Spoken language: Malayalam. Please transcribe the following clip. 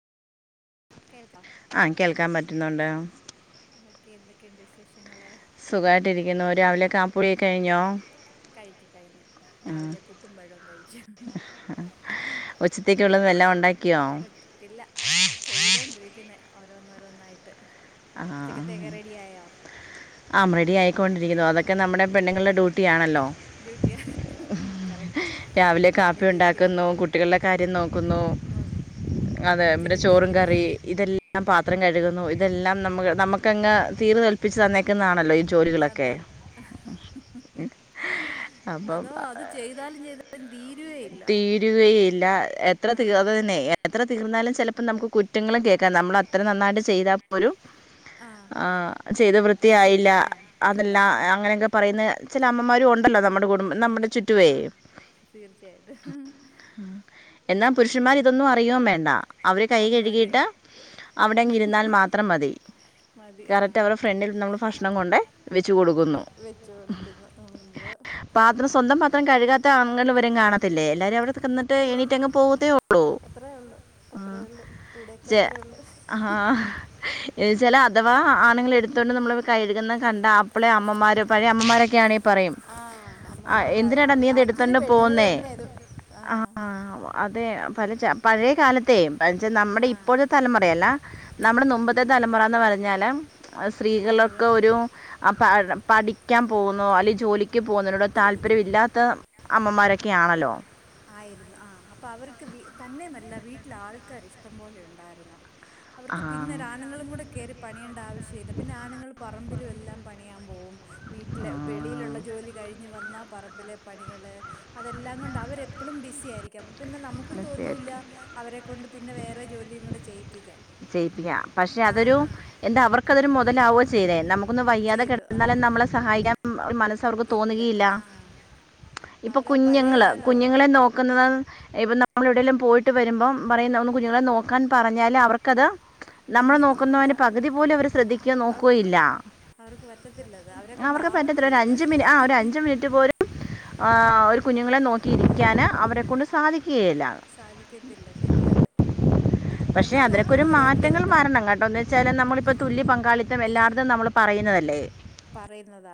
കേൾക്കാം ആഹ്‌ കേൾക്കാൻ പറ്റുന്നുണ്ട് ആഹ് അതൊക്കെ എന്തൊക്കെയുണ്ട് വിശേഷങ്ങള്? സുഖായിട്ടിരിക്കുന്നു രാവിലെ കാപ്പി കുടിയൊക്കെ കഴിഞ്ഞൊ? കഴിച്ചു കഴിഞ്ഞു രാവിലെ പുട്ടും പഴോ കഴിച്ചു ഉച്ചത്തേക്കുള്ളത് എല്ലാം ഉണ്ടാക്കിയോ? ഇല്ല ചെയ്തോണ്ടിരിക്കുന്നെ ഓരോന്നോരോന്നായിട്ട് ഉച്ചക്കത്തേക്കെ റെഡിയായോ? ആഹ് റെഡി ആയിക്കൊണ്ടിരിക്കുന്നു അതൊക്കെ നമ്മുടെ പെണ്ണുങ്ങളുടെ ഡ്യൂട്ടിയാണല്ലോ ഡ്രൂട്ടിയ [unintelligible] കറക്റ്റ് രാവിലെ നമ്മുടെ കാപ്പി ഡ്യൂട്ടി അത് ഉണ്ടാക്കുന്നു കുട്ടികളുടെ കാര്യം നോക്കുന്നു മൊ- അതെ പിന്നെ ചോറും ഉച്ചക്കത്തേക്ക് കറി ഇതെല്ല ഞാൻ പാത്രം കഴുകുന്നു ഇതെല്ലാം നമു നമുക്കങ്ങ് തീർ കൽപ്പിച്ച് തന്നേക്കുന്നതാണല്ലോ ഇത് അതാണ് [unintelligible] അതോ അപ്പം അത് ചെയ്ത് താലും ചെയ്താലും തീരുവേ ഇല്ല തീരുവേ ഇല്ല എത്ര ആ തീർ അത് തന്നെ എത്ര തീർന്നാലും ചെലപ്പോ നമുക്ക് കുറ്റങ്ങളും കേൾക്കാം നമ്മളെ എത്ര നന്നായിട്ട് ചെയ്താ പോലും ആ ആഹ്‌ ചെയ്ത അത് വൃത്തിയായില്ല ശരിയാ ആ ഇല്ല അതെല്ലാം ആ അങ്ങനെക്കെ പറയുന്ന ചില അമ്മമാരും ഉണ്ടല്ലോ നമ്മുടെ കുടുംബം ഉണ്ട് നമ്മുടെ ചുറ്റുവേ ആ തീർച്ചയായിട്ടും എന്നാ പുരുഷന്മാര് ഇതൊന്നും അറിയോം വേണ്ട അവര് കൈ ഒന്നും അറിയ കഴുകിയിട്ട് ആ അവിടങ്ങ് ഇരുന്നാൽ മാത്രം മതി മതി ആ കറക്റ്റ് അവരുടെ ഫ്രണ്ടിൽ നമ്മൾ ഭക്ഷണം കൊണ്ടേയ് എഹ് ഉം വെച്ച് കൊടുക്കുന്നു അയ്യോ പാത്രം സ്വന്തം പാത്രം കഴുകാത്ത ആണുങ്ങൾ വരെ കാണത്തില്ലേ എല്ലാരും അവിടെ നിന്നിട്ട് [unintelligible] ല്ലോ എണീറ്റ് അങ്ങ് പോകത്തേ അത്രയേ ഉള്ളു അത്രയേ ഉള്ളു ഇവിടെയൊക്കെ അത്രയേ ഉള്ളു [inaudible] ഏഹ് ചില അഥവാ ആണുങ്ങൾ എടുത്തുകൊണ്ട് നമ്മള കഴുകുന്നത് കണ്ട അപ്പളെ അമ്മമാര് പഴയ അമ്മമാരൊക്കെയാണെ ആഹ്‌ അമ്മമാരാ നീ അത് ആക്ച്വലി എടുത്തുകൊണ്ട് പെണ്ണുങ്ങള് പോകുന്നത് തന്നെയാ ഇത് ആഹ്‌ അതെയ് പല ച പഴയ കാലത്തെയ് [unintelligible] നമ്മുടെ ആ ഇപ്പോഴത്തെ തലമുറയല്ല നമ്മുടെ നുമ്പത്തെ തലമുറാന്ന് പറഞ്ഞാല് അവരെ സ്ത്രീകൾക്ക് ഒരു ആ പഠിക്കാൻ പോകുന്നോ അല്ലെങ്കിൽ ജോലിക്ക് പോകുന്നതിനോട് താല്പര്യംമില്ലാത്ത അമ്മമാരൊക്കെ ഒക്കെ ആണല്ലോ ആയിരുന്നു ആഹ് അപ്പൊ അവർക്ക് വീ തന്നെയുമല്ല വീട്ടില് ആൾക്കാര് ഇഷ്ടംപോലെ ഉണ്ടായിരുന്നു ആ അവർക്ക് പിന്നെ ഒരാണുങ്ങളും കൂടെ കേറി പണിയേണ്ട ആവശ്യല്ല പിന്നെ ആണുങ്ങള് പറമ്പിലും എല്ലാം പണിയാൻ പോകും ആ വീട്ടിലെ വെളിയിലുള്ള ജോലി കഴിഞ്ഞു വന്നാ പറമ്പിലെ പണികള് അതെല്ലാം കൊണ്ട് അവരെ എപ്പോളും ബിസി ആയിരിക്കും അപ്പ പിന്നെ നമുക്കും മനസ്സിലായി തോന്നൂല്ല അവരെക്കൊണ്ട് പിന്നെ വേറെ ജോലിയും കൂടെ ചെയ്യിപ്പിക്കാൻ ചെയ്യിപ്പിക്കാ പക്ഷെ ആ അതൊരു എന്താ അവർക്കതൊരു മുതലാവോ ചെയ്തേ നമുക്ക് ഒന്ന് വയ്യാതെ ചെയ്തു ആ കിടന്നാലും നമ്മളെ സഹായിക്കാൻ മനസ് അവർക്ക് ഇല്ല തോന്നുകയില്ല ആ ഇപ്പൊ അവരാ പഴയ കുഞ്ഞുങ്ങള് കാലം ഓർക്കും കുഞ്ഞുങ്ങളെ നോക് ക്കുന്നത് ഇപ്പം നമ്മൾ എവിടേലും പോയിട്ട് വരുമ്പം പറയും നമ്മള് കുഞ്ഞുങ്ങളെ നോക്കാൻ പറഞ്ഞാല് അവർക്കത് നമ്മള് വലിയ നോക്കുന്നവന് ബുദ്ധിമുട്ടാണ് പകുതി പോലും അവര് ശ്രദ്ധിക്കോ നോക്കോയില്ല അവർക്ക് പറ്റത്തില്ലത് അവരെ അവര്ക്ക് പറ്റത്തില്ല കൊണ്ടാവത്തില്ലത് ഒരഞ്ചു മിനി ആഹ് ഒരു അഞ്ച് മിനിറ്റ് പോലും ആഹ് ഒരു കുഞ്ഞുങ്ങളെ നോക്കിയിരിക്കാന് അവരെക്കൊണ്ട് സാധിക്കുകയില്ല സാധിക്കത്തില്ല ശരിയാ അത് എന്നാ നോ ഇപ്പൊരു മാറ്റങ്ങൾ മാറണം കേട്ടോ എന്ന് വെച്ചാൽ നമ്മളിപ്പോ തുല്യ പങ്കാളിത്തം എല്ലാവര്ടേം നമ്മൾ പറയുന്നതല്ലേ പറയുന്നതാ